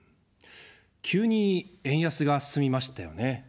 急に円安が進みましたよね。